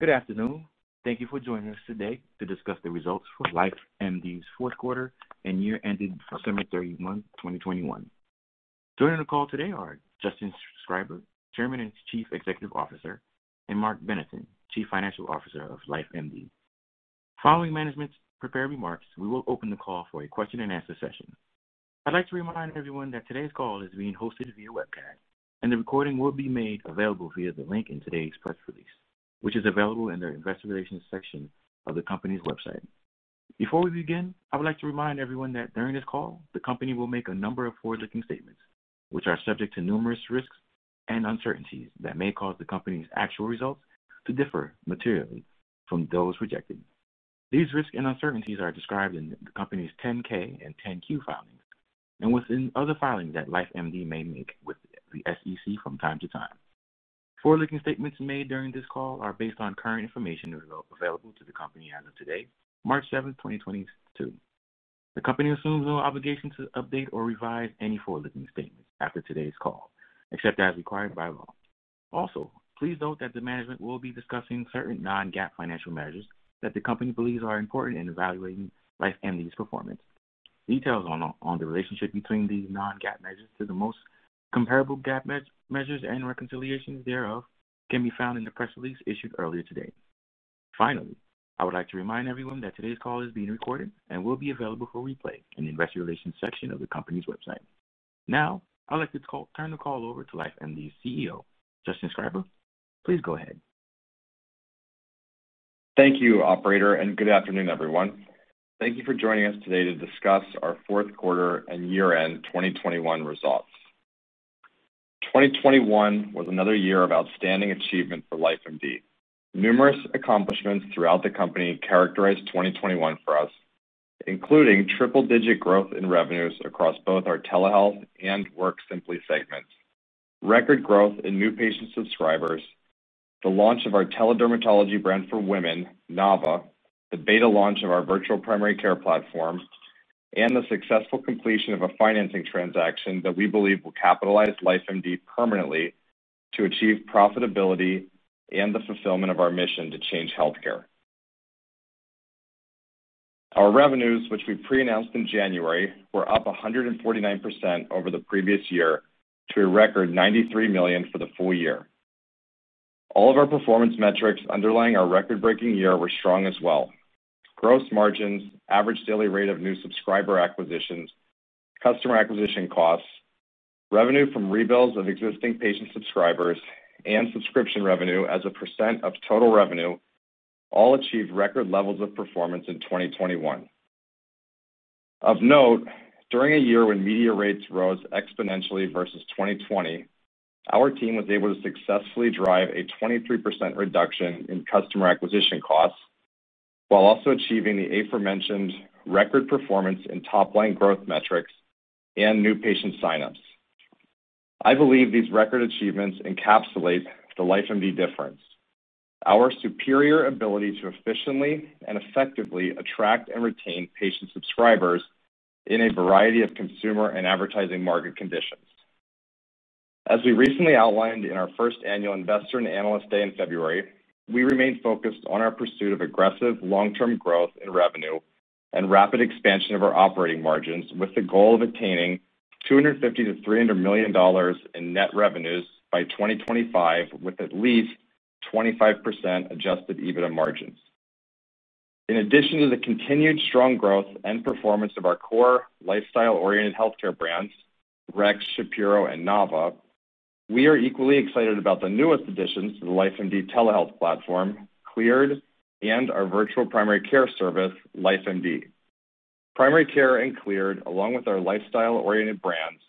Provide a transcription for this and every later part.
Good afternoon. Thank you for joining us today to discuss the results for LifeMD's fourth quarter and year ending December 31, 2021. Joining the call today are Justin Schreiber, Chairman and Chief Executive Officer, and Marc Benathen, Chief Financial Officer of LifeMD. Following management's prepared remarks, we will open the call for a question-and-answer session. I'd like to remind everyone that today's call is being hosted via webcast, and the recording will be made available via the link in today's press release, which is available in the investor relations section of the company's website. Before we begin, I would like to remind everyone that during this call, the company will make a number of forward-looking statements, which are subject to numerous risks and uncertainties that may cause the company's actual results to differ materially from those projected. These risks and uncertainties are described in the company's 10-K and 10-Q filings and within other filings that LifeMD may make with the SEC from time to time. Forward-looking statements made during this call are based on current information available to the company as of today, March seventh, twenty twenty-two. The company assumes no obligation to update or revise any forward-looking statements after today's call, except as required by law. Also, please note that the management will be discussing certain non-GAAP financial measures that the company believes are important in evaluating LifeMD's performance. Details on the relationship between these non-GAAP measures to the most comparable GAAP measures and reconciliations thereof can be found in the press release issued earlier today. Finally, I would like to remind everyone that today's call is being recorded and will be available for replay in the investor relations section of the company's website. Now, I'd like to turn the call over to LifeMD's CEO, Justin Schreiber. Please go ahead. Thank you, operator, and good afternoon, everyone. Thank you for joining us today to discuss our fourth quarter and year-end 2021 results. 2021 was another year of outstanding achievement for LifeMD. Numerous accomplishments throughout the company characterized 2021 for us, including triple-digit growth in revenues across both our telehealth and WorkSimpli segments, record growth in new patient subscribers, the launch of our tele-dermatology brand for women, NavaMD, the beta launch of our virtual primary care platform, and the successful completion of a financing transaction that we believe will capitalize LifeMD permanently to achieve profitability and the fulfillment of our mission to change healthcare. Our revenues, which we pre-announced in January, were up 149% over the previous year to a record $93 million for the full year. All of our performance metrics underlying our record-breaking year were strong as well. Gross margins, average daily rate of new subscriber acquisitions, customer acquisition costs, revenue from rebuilds of existing patient subscribers, and subscription revenue as a percent of total revenue all achieved record levels of performance in 2021. Of note, during a year when media rates rose exponentially versus 2020, our team was able to successfully drive a 23% reduction in customer acquisition costs while also achieving the aforementioned record performance in top-line growth metrics and new patient sign-ups. I believe these record achievements encapsulate the LifeMD difference. Our superior ability to efficiently and effectively attract and retain patient subscribers in a variety of consumer and advertising market conditions. As we recently outlined in our first annual investor and analyst day in February, we remain focused on our pursuit of aggressive long-term growth in revenue and rapid expansion of our operating margins with the goal of attaining $250 million-$300 million in net revenues by 2025, with at least 25% adjusted EBITDA margins. In addition to the continued strong growth and performance of our core lifestyle-oriented healthcare brands, RexMD, ShapiroMD, and NavaMD, we are equally excited about the newest additions to the LifeMD telehealth platform, Cleared, and our virtual primary care service, LifeMD. Primary Care and Cleared, along with our lifestyle-oriented brands,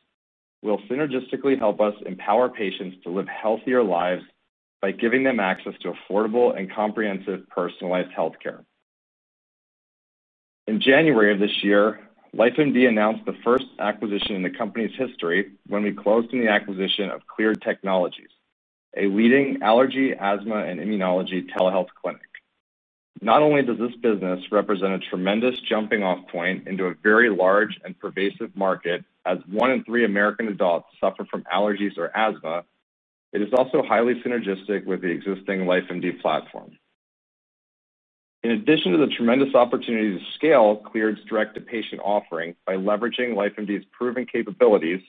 will synergistically help us empower patients to live healthier lives by giving them access to affordable and comprehensive personalized healthcare. In January of this year, LifeMD announced the first acquisition in the company's history when we closed the acquisition of Cleared, a leading allergy, asthma, and immunology telehealth clinic. Not only does this business represent a tremendous jumping-off point into a very large and pervasive market, as one in three American adults suffer from allergies or asthma, it is also highly synergistic with the existing LifeMD platform. In addition to the tremendous opportunity to scale Cleared's direct-to-patient offering by leveraging LifeMD's proven capabilities,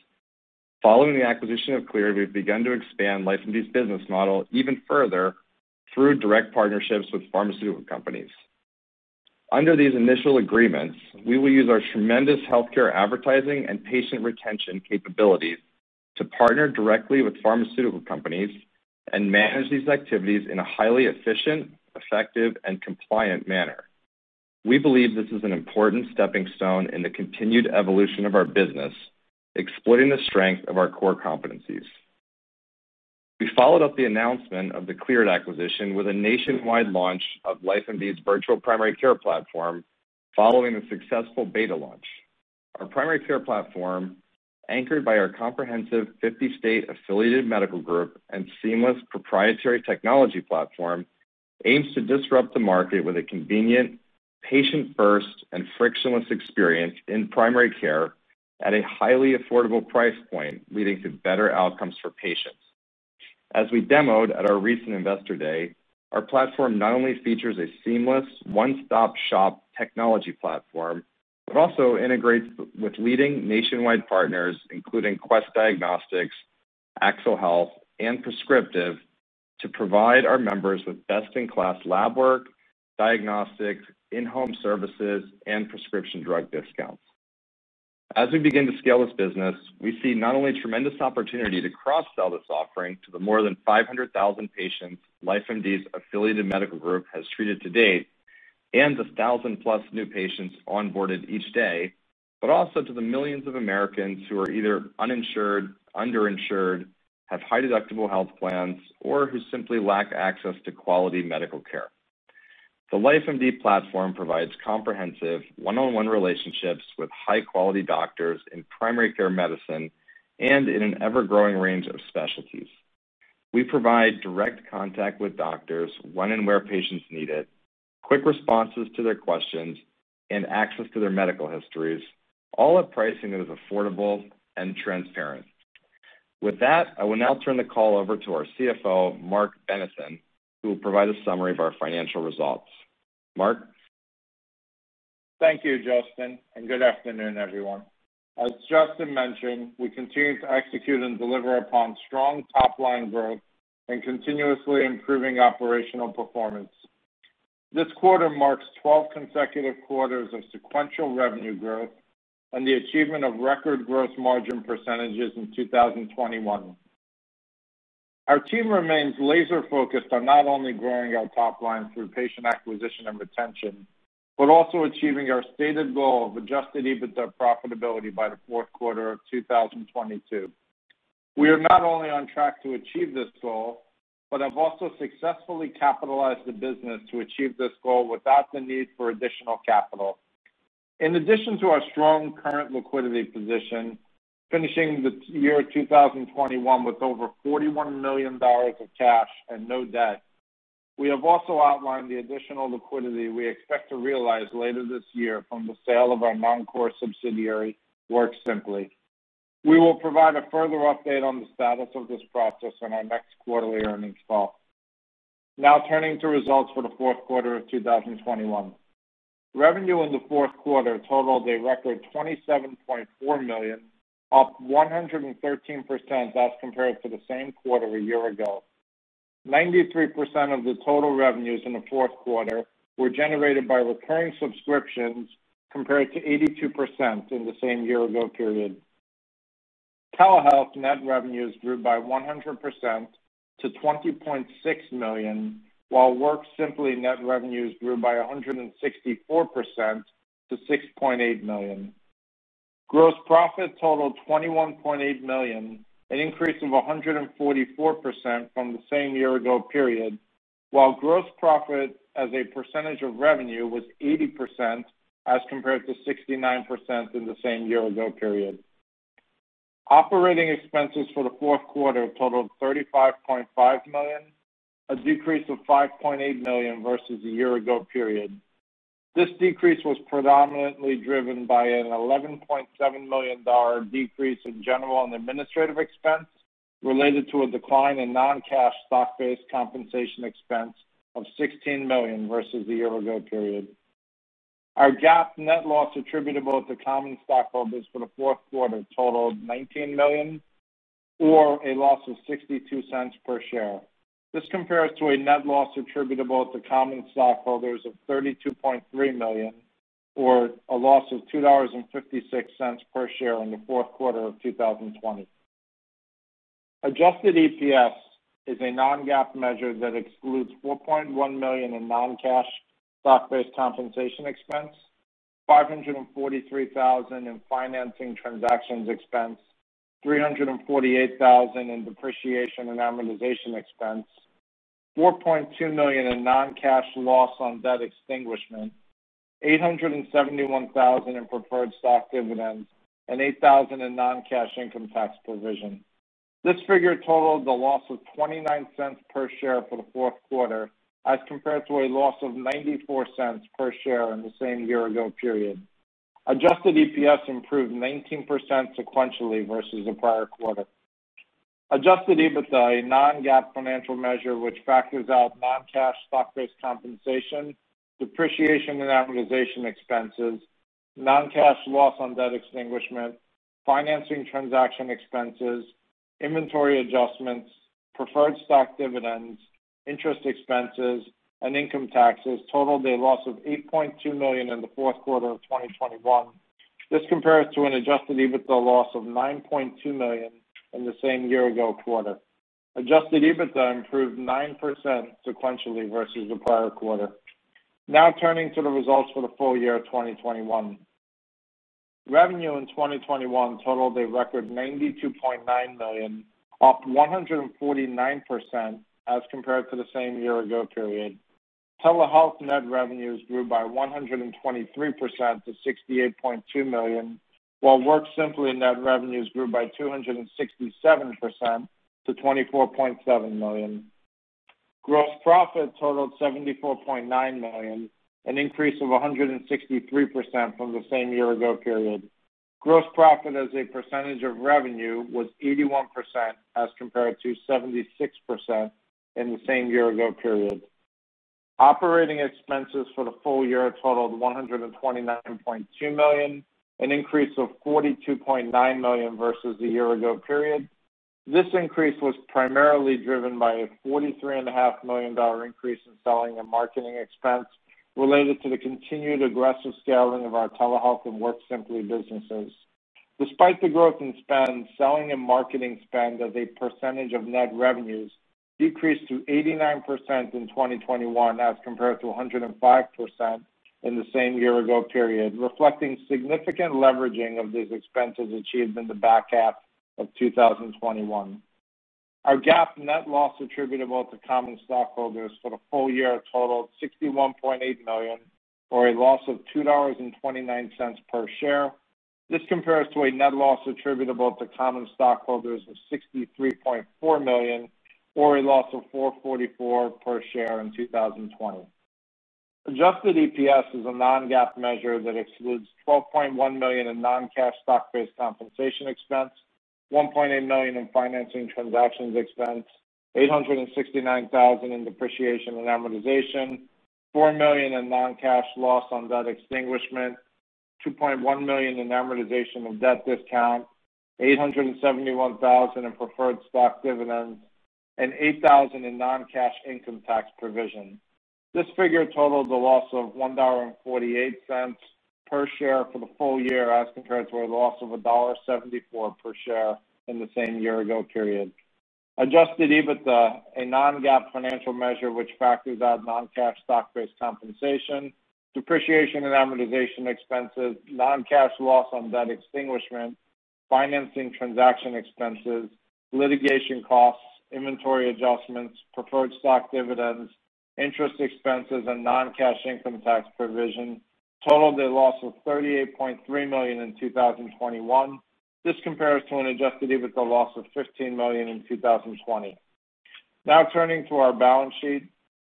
following the acquisition of Cleared, we've begun to expand LifeMD's business model even further through direct partnerships with pharmaceutical companies. Under these initial agreements, we will use our tremendous healthcare advertising and patient retention capabilities to partner directly with pharmaceutical companies and manage these activities in a highly efficient, effective, and compliant manner. We believe this is an important stepping stone in the continued evolution of our business, exploiting the strength of our core competencies. We followed up the announcement of the Cleared acquisition with a nationwide launch of LifeMD's virtual primary care platform following the successful beta launch. Our primary care platform, anchored by our comprehensive 50-state affiliated medical group and seamless proprietary technology platform, aims to disrupt the market with a convenient, patient-first, and frictionless experience in primary care. At a highly affordable price point, leading to better outcomes for patients. As we demoed at our recent Investor Day, our platform not only features a seamless one-stop-shop technology platform, but also integrates with leading nationwide partners, including Quest Diagnostics, Axle Health, and Prescryptive Health to provide our members with best-in-class lab work, diagnostics, in-home services, and prescription drug discounts. As we begin to scale this business, we see not only tremendous opportunity to cross-sell this offering to the more than 500,000 patients LifeMD's affiliated medical group has treated to date and the 1,000+ new patients onboarded each day, but also to the millions of Americans who are either uninsured, underinsured, have high-deductible health plans, or who simply lack access to quality medical care. The LifeMD platform provides comprehensive one-on-one relationships with high-quality doctors in primary care medicine and in an ever-growing range of specialties. We provide direct contact with doctors when and where patients need it, quick responses to their questions, and access to their medical histories, all at pricing that is affordable and transparent. With that, I will now turn the call over to our CFO, Marc Benathen, who will provide a summary of our financial results. Marc? Thank you, Justin, and good afternoon, everyone. As Justin mentioned, we continue to execute and deliver upon strong top-line growth and continuously improving operational performance. This quarter marks 12 consecutive quarters of sequential revenue growth and the achievement of record gross margin percentages in 2021. Our team remains laser-focused on not only growing our top line through patient acquisition and retention, but also achieving our stated goal of adjusted EBITDA profitability by the fourth quarter of 2022. We are not only on track to achieve this goal, but have also successfully capitalized the business to achieve this goal without the need for additional capital. In addition to our strong current liquidity position, finishing the year 2021 with over $41 million of cash and no debt, we have also outlined the additional liquidity we expect to realize later this year from the sale of our non-core subsidiary, WorkSimpli. We will provide a further update on the status of this process on our next quarterly earnings call. Now turning to results for the fourth quarter of 2021. Revenue in the fourth quarter totaled a record $27.4 million, up 113% as compared to the same quarter a year ago. 93% of the total revenues in the fourth quarter were generated by recurring subscriptions, compared to 82% in the same year ago period. Telehealth net revenues grew by 100% to $20.6 million, while WorkSimpli net revenues grew by 164% to $6.8 million. Gross profit totaled $21.8 million, an increase of 144% from the same year-ago period, while gross profit as a percentage of revenue was 80% as compared to 69% in the same year-ago period. Operating expenses for the fourth quarter totaled $35.5 million, a decrease of $5.8 million versus a year-ago period. This decrease was predominantly driven by an $11.7 million decrease in general and administrative expense related to a decline in non-cash stock-based compensation expense of $16 million versus the year-ago period. Our GAAP net loss attributable to common stockholders for the fourth quarter totaled $19 million or a loss of $0.62 per share. This compares to a net loss attributable to common stockholders of $32.3 million or a loss of $2.56 per share in the fourth quarter of 2020. Adjusted EPS is a non-GAAP measure that excludes $4.1 million in non-cash stock-based compensation expense, $543,000 in financing transactions expense, $348,000 in depreciation and amortization expense, $4.2 million in non-cash loss on debt extinguishment, $871,000 in preferred stock dividends, and $8,000 in non-cash income tax provision. This figure totals a loss of $0.29 per share for the fourth quarter as compared to a loss of $0.94 per share in the same year ago period. Adjusted EPS improved 19% sequentially versus the prior quarter. Adjusted EBITDA, a non-GAAP financial measure which factors out non-cash stock-based compensation, depreciation and amortization expenses, non-cash loss on debt extinguishment, financing transaction expenses, inventory adjustments, preferred stock dividends, interest expenses, and income taxes, totaled a loss of $8.2 million in the fourth quarter of 2021. This compares to an adjusted EBITDA loss of $9.2 million in the same year ago quarter. Adjusted EBITDA improved 9% sequentially versus the prior quarter. Now turning to the results for the full year of 2021. Revenue in 2021 totaled a record $92.9 million, up 149% as compared to the same year ago period. Telehealth net revenues grew by 123% to $68.2 million, while WorkSimpli net revenues grew by 267% to $24.7 million. Gross profit totaled $74.9 million, an increase of 163% from the same year ago period. Gross profit as a percentage of revenue was 81% as compared to 76% in the same year ago period. Operating expenses for the full year totaled $129.2 million, an increase of $42.9 million versus the year ago period. This increase was primarily driven by a $43.5 million increase in selling and marketing expense related to the continued aggressive scaling of our telehealth and WorkSimpli businesses. Despite the growth in spend, selling and marketing spend as a percentage of net revenues decreased to 89% in 2021 as compared to 105% in the same year-ago period, reflecting significant leveraging of these expenses achieved in the back half of 2021. Our GAAP net loss attributable to common stockholders for the full year totaled $61.8 million or a loss of $2.29 per share. This compares to a net loss attributable to common stockholders of $63.4 million or a loss of $4.44 per share in 2020. Adjusted EPS is a non-GAAP measure that excludes $12.1 million in non-cash stock-based compensation expense, $1.8 million in financing transactions expense, $869,000 in depreciation and amortization, $4 million in non-cash loss on debt extinguishment, $2.1 million in amortization of debt discount, $871,000 in preferred stock dividends, and $8,000 in non-cash income tax provision. This figure totals a loss of $1.48 per share for the full year as compared to a loss of $1.74 per share in the same year-ago period. Adjusted EBITDA, a non-GAAP financial measure which factors out non-cash stock-based compensation, depreciation and amortization expenses, non-cash loss on debt extinguishment, financing transaction expenses, litigation costs, inventory adjustments, preferred stock dividends, interest expenses, and non-cash income tax provision, totaled a loss of $38.3 million in 2021. This compares to an adjusted EBITDA loss of $15 million in 2020. Now turning to our balance sheet.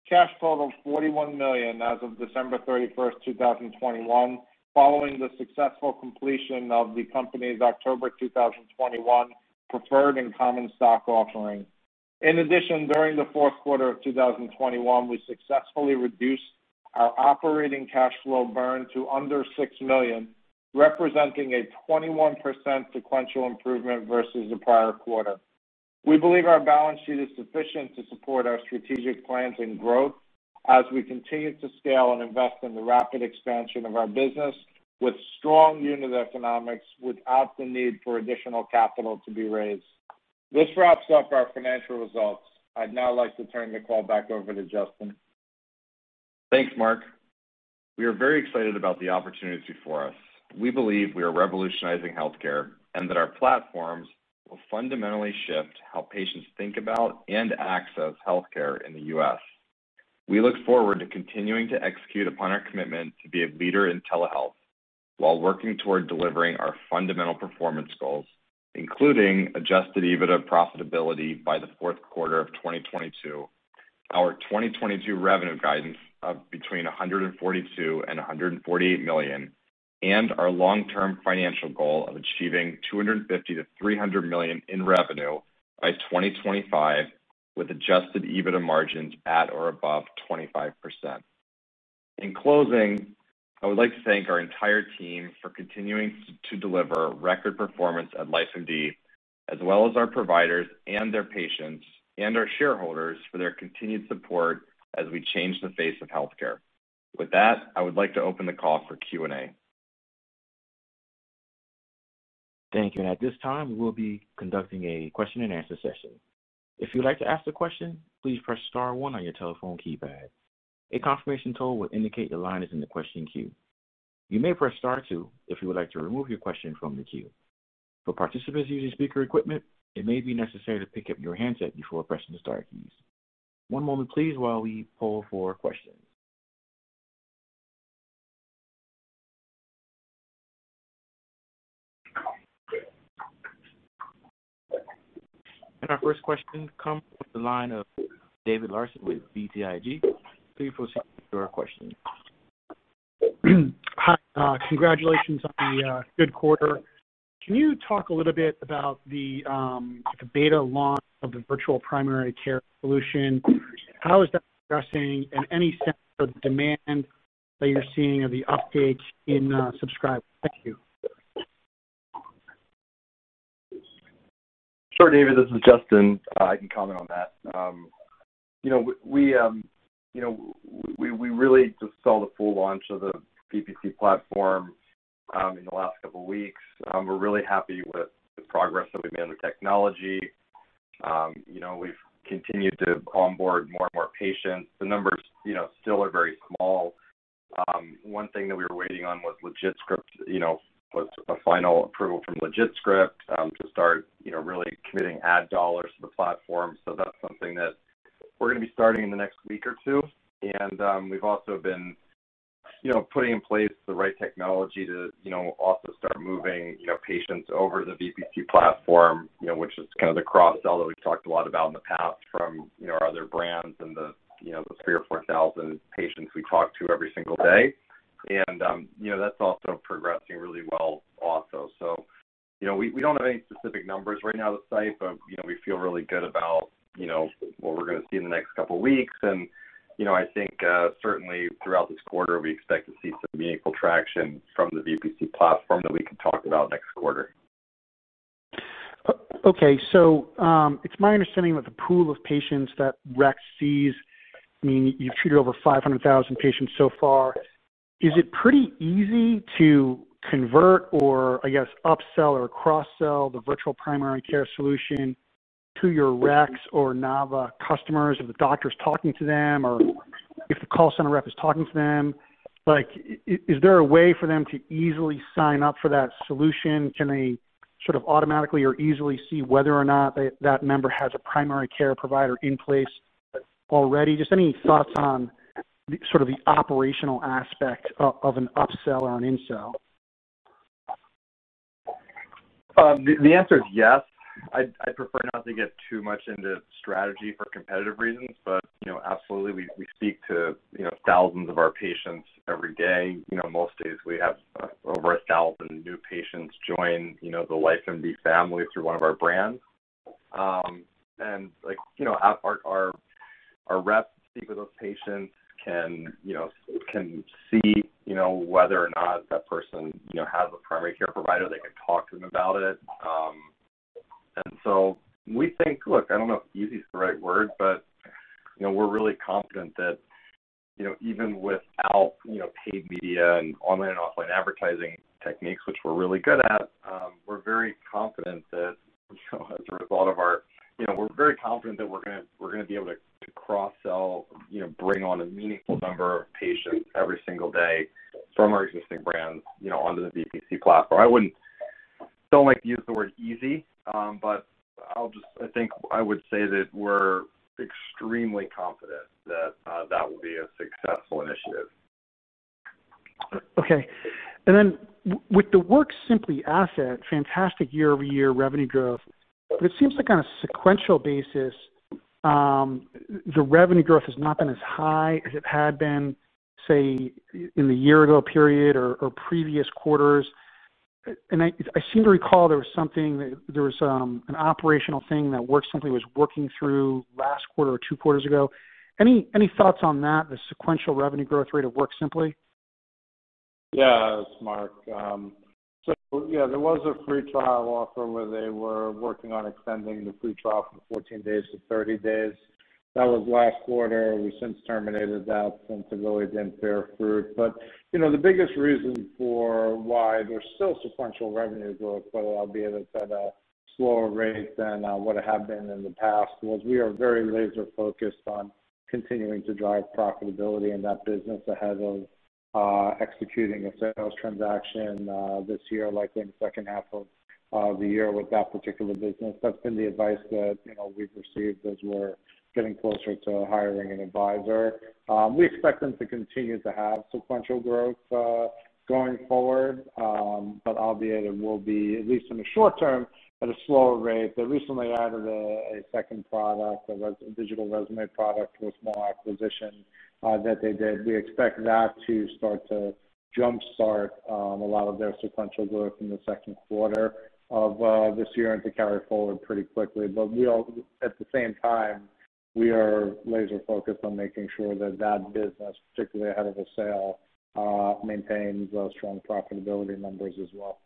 Cash totaled $41 million as of December 31st, 2021, following the successful completion of the company's October 2021 preferred and common stock offering. In addition, during the fourth quarter of 2021, we successfully reduced our operating cash flow burn to under $6 million, representing a 21% sequential improvement versus the prior quarter. We believe our balance sheet is sufficient to support our strategic plans and growth as we continue to scale and invest in the rapid expansion of our business with strong unit economics without the need for additional capital to be raised. This wraps up our financial results. I'd now like to turn the call back over to Justin. Thanks, Marc. We are very excited about the opportunity before us. We believe we are revolutionizing healthcare and that our platforms will fundamentally shift how patients think about and access healthcare in the U.S. We look forward to continuing to execute upon our commitment to be a leader in telehealth while working toward delivering our fundamental performance goals, including adjusted EBITDA profitability by the fourth quarter of 2022. Our 2022 revenue guidance of between $142 million and $148 million and our long-term financial goal of achieving $250 million-$300 million in revenue by 2025 with adjusted EBITDA margins at or above 25%. In closing, I would like to thank our entire team for continuing to deliver record performance at LifeMD, as well as our providers and their patients and our shareholders for their continued support as we change the face of healthcare. With that, I would like to open the call for Q&A. Thank you. At this time, we will be conducting a question and answer session. If you'd like to ask a question, please press star one on your telephone keypad. A confirmation tone will indicate your line is in the question queue. You may press star two if you would like to remove your question from the queue. For participants using speaker equipment, it may be necessary to pick up your handset before pressing the star keys. One moment please while we poll for questions. Our first question comes from the line of David Larsen with BTIG. Please proceed with your question. Hi, congratulations on the good quarter. Can you talk a little bit about the beta launch of the virtual primary care solution? How is that progressing and any sense of demand that you're seeing of the uptake in subscribers? Thank you. Sure. David, this is Justin. I can comment on that. You know, we really just saw the full launch of the VPC platform in the last couple weeks. We're really happy with the progress that we've made with technology. You know, we've continued to onboard more and more patients. The numbers, you know, still are very small. One thing that we were waiting on was a final approval from LegitScript to start, you know, really committing ad dollars to the platform. So that's something that we're gonna be starting in the next week or two. We've also been, you know, putting in place the right technology to, you know, also start moving, you know, patients over the VPC platform, you know, which is kind of the cross-sell that we've talked a lot about in the past from, you know, our other brands and the, you know, the 3,000 or 4,000 patients we talk to every single day. You know, that's also progressing really well also. You know, we don't have any specific numbers right now to cite, but, you know, we feel really good about, you know, what we're gonna see in the next couple weeks. You know, I think certainly throughout this quarter, we expect to see some meaningful traction from the VPC platform that we can talk about next quarter. Okay. It's my understanding that the pool of patients that RexMD sees, I mean, you've treated over 500,000 patients so far. Is it pretty easy to convert or, I guess, upsell or cross-sell the virtual primary care solution to your RexMD or NavaMD customers if the doctor's talking to them or if the call center rep is talking to them? Like, is there a way for them to easily sign up for that solution? Can they sort of automatically or easily see whether or not that member has a primary care provider in place already? Just any thoughts on the sort of operational aspect of an upsell or a cross-sell. The answer is yes. I'd prefer not to get too much into strategy for competitive reasons, but you know, absolutely, we speak to you know, thousands of our patients every day. You know, most days we have over 1,000 new patients join you know, the LifeMD family through one of our brands. Like you know, our reps speak with those patients. They can see you know, whether or not that person you know, has a primary care provider. They can talk to them about it. We think, look, I don't know if easy is the right word, but you know, we're really confident that you know, even without you know, paid media and online and offline advertising techniques, which we're really good at, we're very confident that you know, we're very confident that we're gonna be able to cross-sell you know, bring on a meaningful number of patients every single day from our existing brands you know, onto the VPC platform. I don't like to use the word easy, but I think I would say that we're extremely confident that that will be a successful initiative. Okay. With the WorkSimpli asset, fantastic year-over-year revenue growth. It seems like on a sequential basis, the revenue growth has not been as high as it had been, say, in the year ago period or previous quarters. I seem to recall there was something, an operational thing that WorkSimpli was working through last quarter or two quarters ago. Any thoughts on that, the sequential revenue growth rate of WorkSimpli? Yeah. It's Marc. Yeah, there was a free trial offer where they were working on extending the free trial from 14 days to 30 days. That was last quarter. We since terminated that since it really didn't bear fruit. You know, the biggest reason for why there's still sequential revenue growth, albeit it's at a slower rate than what it had been in the past, was we are very laser-focused on continuing to drive profitability in that business ahead of executing a sales transaction this year, likely in the second half of the year with that particular business. That's been the advice that you know, we've received as we're getting closer to hiring an advisor. We expect them to continue to have sequential growth going forward. Albeit it will be, at least in the short term, at a slower rate. They recently added a second product, a digital resume product with small acquisition that they did. We expect that to start to jumpstart a lot of their sequential growth in the second quarter of this year and to carry forward pretty quickly. At the same time, we are laser-focused on making sure that that business, particularly ahead of a sale, maintains strong profitability numbers as well.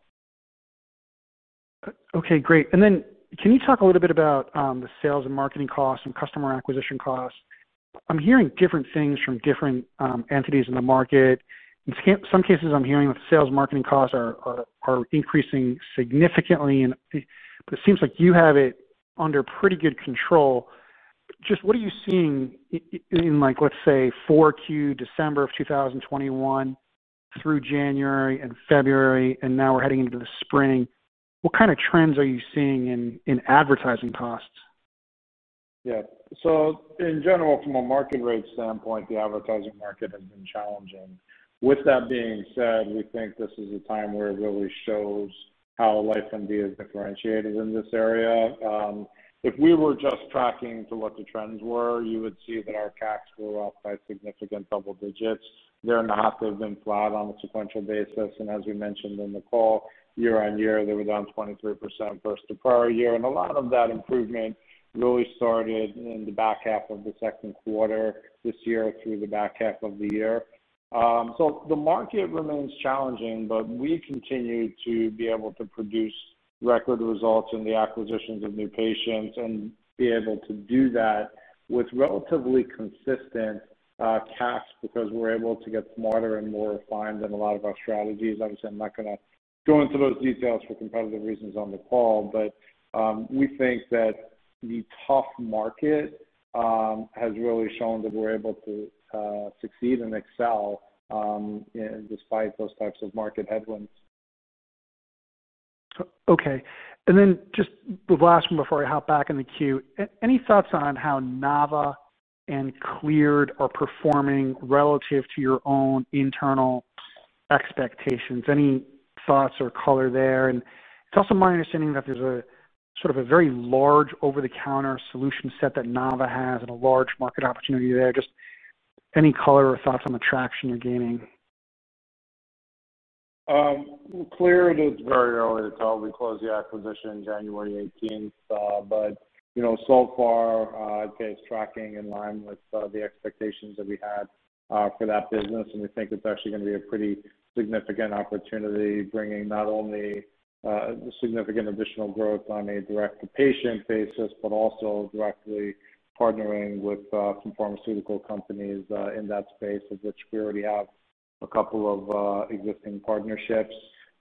Okay, great. Then can you talk a little bit about the sales and marketing costs and customer acquisition costs? I'm hearing different things from different entities in the market. In some cases I'm hearing that the sales marketing costs are increasing significantly, but it seems like you have it under pretty good control. Just what are you seeing in like, let's say, 4Q, December 2021 through January and February, and now we're heading into the spring. What kind of trends are you seeing in advertising costs? Yeah. In general, from a market rate standpoint, the advertising market has been challenging. With that being said, we think this is a time where it really shows how LifeMD is differentiated in this area. If we were just tracking to what the trends were, you would see that our CACs were up by significant double digits. They're not. They've been flat on a sequential basis. As we mentioned in the call, year-on-year, they were down 23% versus the prior year. A lot of that improvement really started in the back half of the second quarter this year through the back half of the year. The market remains challenging, but we continue to be able to produce record results in the acquisitions of new patients and be able to do that with relatively consistent CACs because we're able to get smarter and more refined in a lot of our strategies. Obviously, I'm not gonna go into those details for competitive reasons on the call, but we think that the tough market has really shown that we're able to succeed and excel despite those types of market headwinds. Okay. Then just the last one before I hop back in the queue. Any thoughts on how NavaMD and Cleared are performing relative to your own internal expectations? Any thoughts or color there? It's also my understanding that there's a sort of very large over-the-counter solution set that NavaMD has and a large market opportunity there. Just any color or thoughts on the traction you're gaining. Cleared, it's very early to tell. We closed the acquisition January 18th. You know, so far, I'd say it's tracking in line with the expectations that we had for that business, and we think it's actually gonna be a pretty significant opportunity, bringing not only significant additional growth on a direct-to-patient basis, but also directly partnering with some pharmaceutical companies in that space of which we already have a couple of existing partnerships.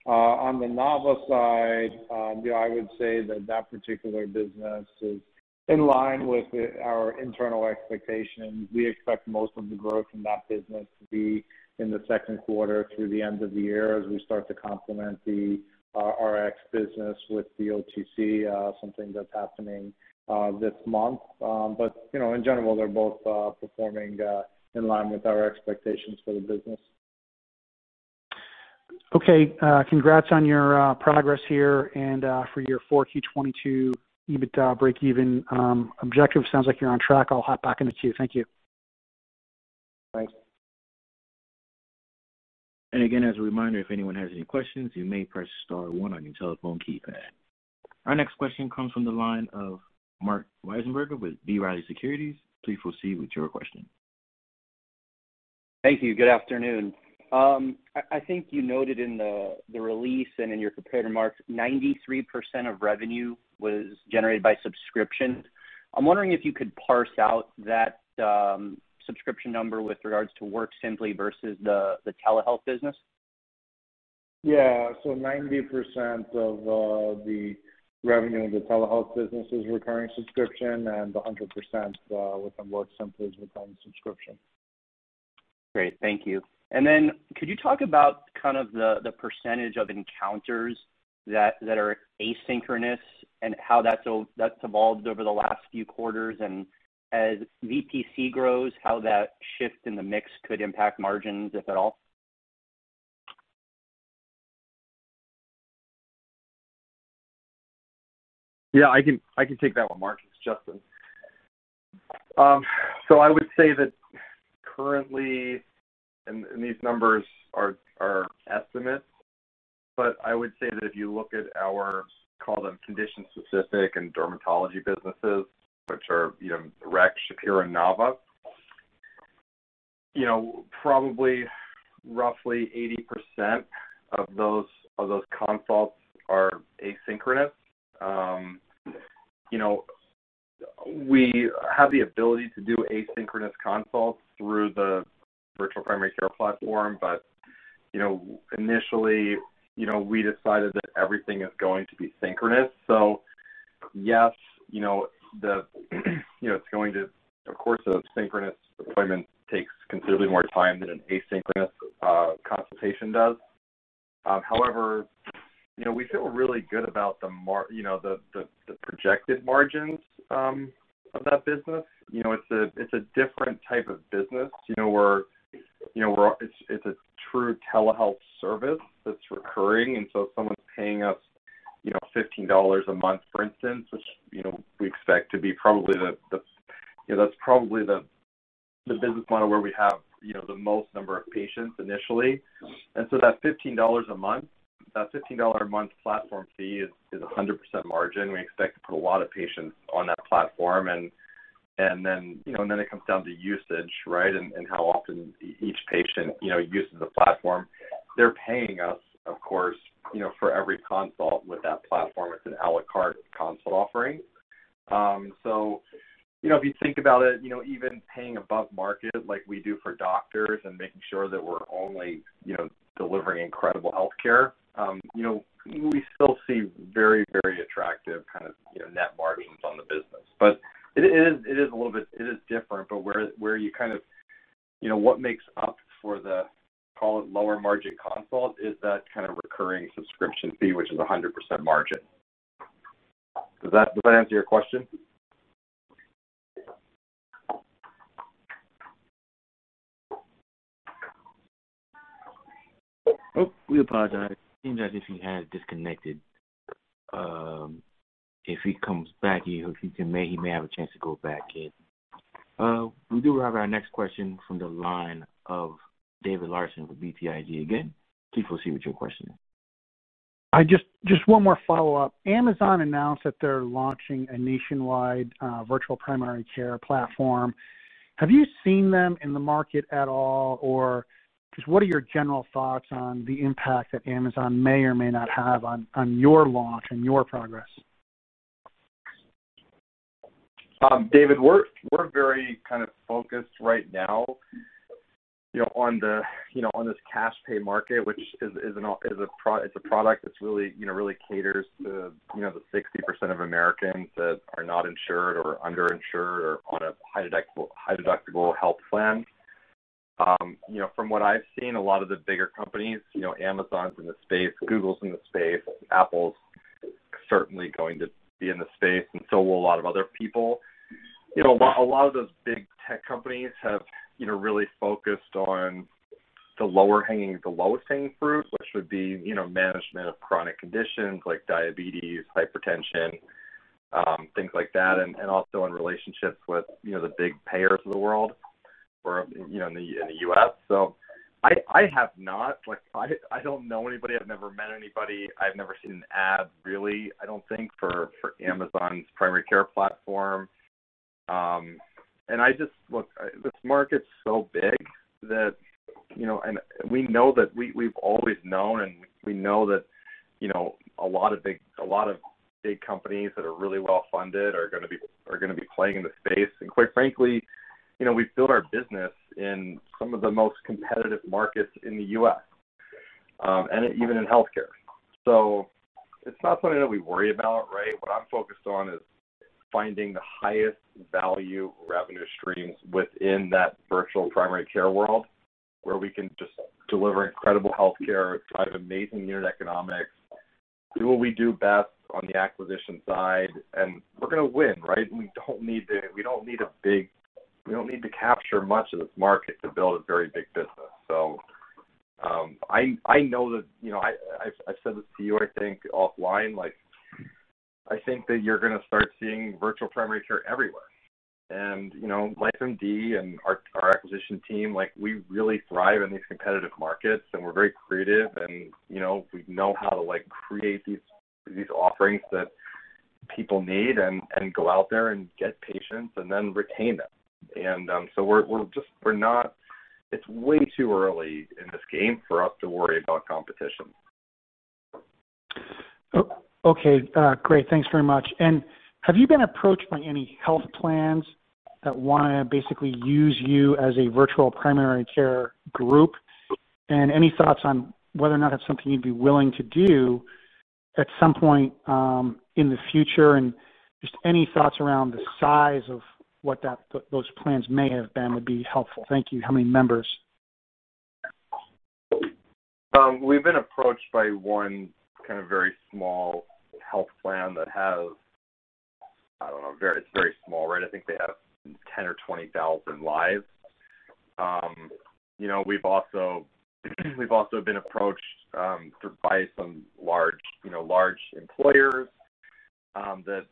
On the NavaMD side, you know, I would say that that particular business is in line with our internal expectations. We expect most of the growth in that business to be in the second quarter through the end of the year as we start to complement the RX business with the OTC, something that's happening this month. You know, in general, they're both performing in line with our expectations for the business. Okay. Congrats on your progress here and for your 4Q 2022 EBITDA breakeven objective. Sounds like you're on track. I'll hop back in the queue. Thank you. Thanks. Again, as a reminder, if anyone has any questions, you may press star one on your telephone keypad. Our next question comes from the line of Marc Wiesenberger with B. Riley Securities. Please proceed with your question. Thank you. Good afternoon. I think you noted in the release and in your prepared remarks, 93% of revenue was generated by subscription. I'm wondering if you could parse out that subscription number with regards to WorkSimpli versus the telehealth business. Yeah. 90% of the revenue in the telehealth business is recurring subscription, and 100% within WorkSimpli is recurring subscription. Great. Thank you. Then could you talk about kind of the percentage of encounters that are asynchronous and how that's evolved over the last few quarters? As VPC grows, how that shift in the mix could impact margins, if at all? Yeah, I can take that one, Marc. It's Justin. I would say that currently, and these numbers are estimates, but I would say that if you look at our, call them, condition-specific and dermatology businesses, which are, you know, RexMD, ShapiroMD, and NavaMD, you know, probably roughly 80% of those consults are asynchronous. You know, we have the ability to do asynchronous consults through the Virtual Primary Care platform, but, you know, initially, you know, we decided that everything is going to be synchronous. Yes, you know. Of course, a synchronous appointment takes considerably more time than an asynchronous consultation does. However, you know, we feel really good about the projected margins, you know, of that business. You know, it's a different type of business, you know, where it's a true telehealth service that's recurring. If someone's paying us $15 a month, for instance, which we expect to be probably the business model where we have the most number of patients initially. That $15 a month, that $15 dollar a month platform fee is 100% margin. We expect to put a lot of patients on that platform, and then it comes down to usage, right? How often each patient uses the platform. They're paying us, of course, for every consult with that platform. It's an à la carte consult offering. You know, if you think about it, you know, even paying above market like we do for doctors and making sure that we're only, you know, delivering incredible healthcare, you know, we still see very, very attractive kind of, you know, net margins on the business. It is a little bit different, but where you kind of, you know, what makes up for the, call it, lower margin consult is that kind of recurring subscription fee, which is 100% margin. Does that answer your question? Oh, we apologize. It seems as if he has disconnected. If he comes back, he may have a chance to go back in. We do have our next question from the line of David Larsen with BTIG again. Please proceed with your question. I just have one more follow-up. Amazon announced that they're launching a nationwide virtual primary care platform. Have you seen them in the market at all? Or just what are your general thoughts on the impact that Amazon may or may not have on your launch and your progress? David, we're very kind of focused right now, you know, on this cash pay market, which is a product that's really, you know, really caters to, you know, the 60% of Americans that are not insured or underinsured or on a high deductible health plan. You know, from what I've seen, a lot of the bigger companies, you know, Amazon's in the space, Google's in the space, Apple's certainly going to be in the space, and so will a lot of other people. You know, a lot of those big tech companies have, you know, really focused on the lower hanging, the lowest hanging fruit, which would be, you know, management of chronic conditions like diabetes, hypertension, things like that, and also in relationships with, you know, the big payers of the world or, you know, in the U.S. Like, I don't know anybody, I've never met anybody, I've never seen an ad really, I don't think, for Amazon's primary care platform. Look, this market's so big that, you know, we've always known that a lot of big companies that are really well-funded are gonna be playing in the space. Quite frankly, you know, we've built our business in some of the most competitive markets in the U.S., and even in healthcare. It's not something that we worry about, right? What I'm focused on is finding the highest value revenue streams within that virtual primary care world, where we can just deliver incredible healthcare, drive amazing unit economics, do what we do best on the acquisition side, and we're gonna win, right? We don't need to capture much of this market to build a very big business. I know that, you know, I've said this to you, I think, offline, like, I think that you're gonna start seeing virtual primary care everywhere. You know, LifeMD and our acquisition team, like, we really thrive in these competitive markets, and we're very creative and, you know, we know how to, like, create these offerings that people need and go out there and get patients and then retain them. It's way too early in this game for us to worry about competition. Okay. Great. Thanks very much. Have you been approached by any health plans that wanna basically use you as a virtual primary care group? Any thoughts on whether or not that's something you'd be willing to do at some point in the future? Just any thoughts around the size of what those plans may have been would be helpful. Thank you. How many members? We've been approached by one kind of very small health plan that has, I don't know, It's very small, right? I think they have 10 or 20,000 lives. You know, we've also been approached by some large employers that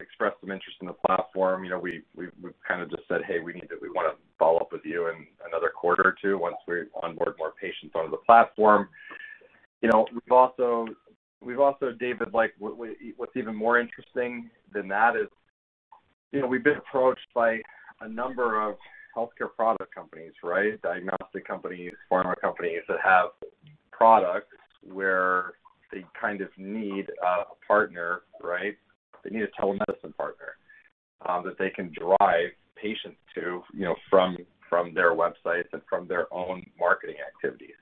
expressed some interest in the platform. You know, we've kinda just said, "Hey, we wanna follow up with you in another quarter or two once we onboard more patients onto the platform." You know, we've also, David, like, what's even more interesting than that is, you know, we've been approached by a number of healthcare product companies, right? Diagnostic companies, pharma companies that have products where they kind of need a partner, right? They need a telemedicine partner that they can drive patients to, you know, from their websites and from their own marketing activities.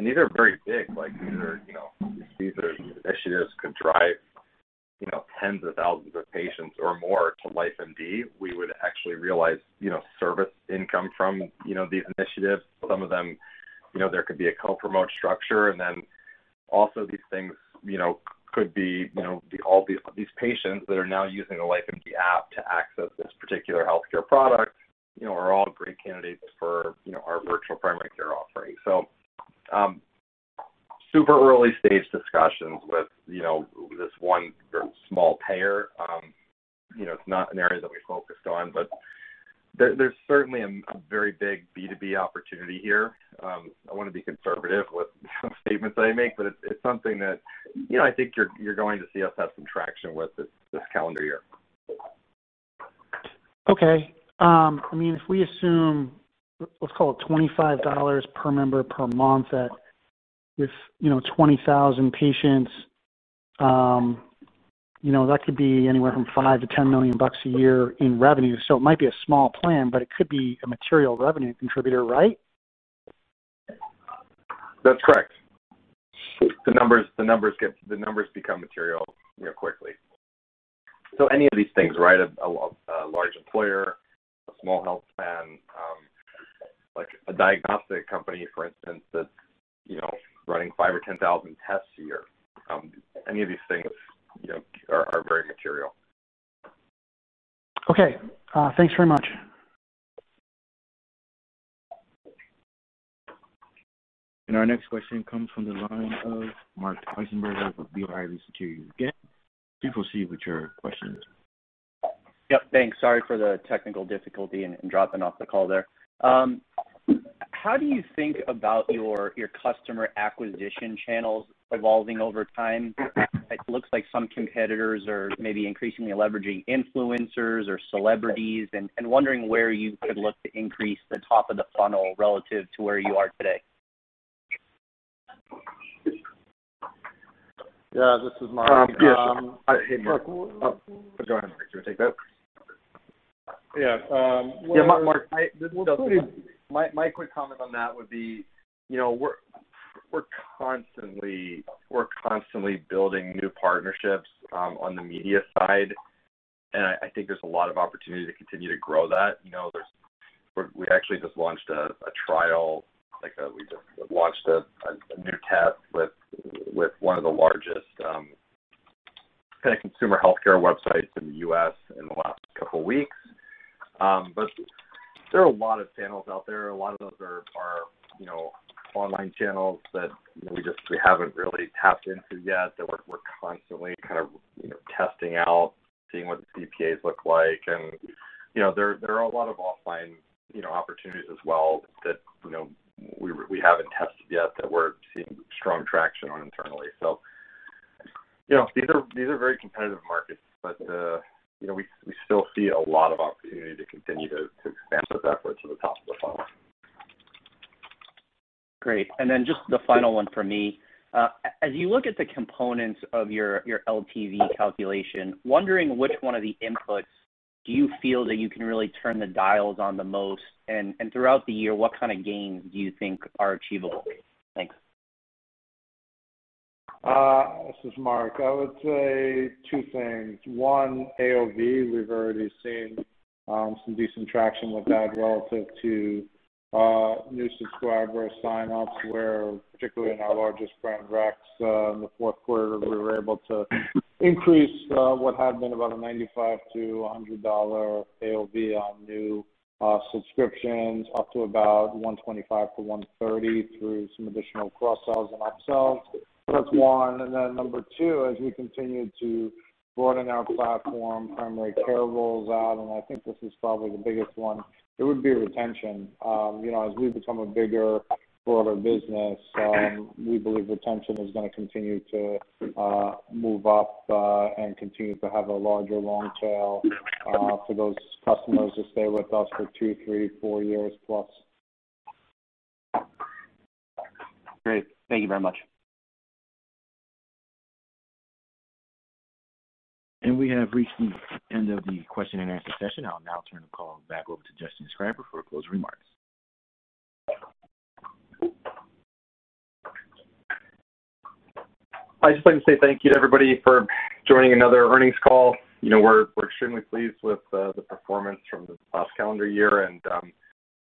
These are very big. Like, these are, you know, initiatives that could drive, you know, tens of thousands of patients or more to LifeMD. We would actually realize, you know, service income from, you know, these initiatives. Some of them, you know, there could be a co-promote structure. These things, you know, could be, you know, all these patients that are now using the LifeMD app to access this particular healthcare product, you know, are all great candidates for, you know, our virtual primary care offering. Super early-stage discussions with, you know, this one very small payer. You know, it's not an area that we focused on, but there's certainly a very big B2B opportunity here. I wanna be conservative with the statements I make, but it's something that you know, I think you're going to see us have some traction with this calendar year. Okay. I mean, if we assume, let's call it $25 per member per month at, you know, 20,000 patients, you know, that could be anywhere from $5 million-$10 million a year in revenue. It might be a small plan, but it could be a material revenue contributor, right? That's correct. The numbers become material, you know, quickly. Any of these things, right? A large employer, a small health plan, like a diagnostic company, for instance, that's, you know, running 5,000 or 10,000 tests a year. Any of these things, you know, are very material. Okay. Thanks very much. Our next question comes from the line of Marc Wiesenberger of B. Riley Securities again. Please proceed with your questions. Yep, thanks. Sorry for the technical difficulty and dropping off the call there. How do you think about your customer acquisition channels evolving over time? It looks like some competitors are maybe increasingly leveraging influencers or celebrities and wondering where you could look to increase the top of the funnel relative to where you are today. Yeah, this is Marc. Yeah. Hey, Marc. Oh, go ahead, Marc. Do you wanna take that? Yeah. Yeah, Marc. Well, the My quick comment on that would be, you know, we're constantly building new partnerships on the media side. I think there's a lot of opportunity to continue to grow that. You know, we actually just launched a trial, like, we just launched a new test with one of the largest kind of consumer healthcare websites in the U.S. in the last couple weeks. There are a lot of channels out there. A lot of those are you know online channels that we haven't really tapped into yet, that we're constantly kind of testing out, seeing what the CPAs look like. You know, there are a lot of offline opportunities as well that we haven't tested yet that we're seeing strong traction on internally. You know, these are very competitive markets, but you know, we still see a lot of opportunity to continue to expand those efforts over the top of the funnel. Great. Then just the final one for me. As you look at the components of your LTV calculation, wondering which one of the inputs do you feel that you can really turn the dials on the most? Throughout the year, what kind of gains do you think are achievable? Thanks. This is Marc. I would say two things. One, AOV, we've already seen some decent traction with that relative to new subscriber sign-ups, where particularly in our largest brand, RexMD, in the fourth quarter, we were able to increase what had been about a $95-$100 AOV on new subscriptions up to about $125-$130 through some additional cross-sells and up-sells. That's one. Number two, as we continue to broaden our platform, primary care rolls out, and I think this is probably the biggest one, it would be retention. You know, as we become a bigger, broader business, we believe retention is gonna continue to move up and continue to have a larger long tail for those customers who stay with us for two, three, four years plus. Great. Thank you very much. We have reached the end of the question and answer session. I'll now turn the call back over to Justin Schreiber for closing remarks. I'd just like to say thank you to everybody for joining another earnings call. You know, we're extremely pleased with the performance from the past calendar year, and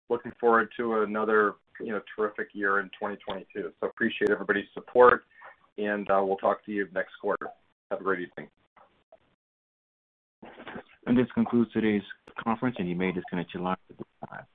looking forward to another, you know, terrific year in 2022. Appreciate everybody's support, and we'll talk to you next quarter. Have a great evening. This concludes today's conference, and you may disconnect your line at this time.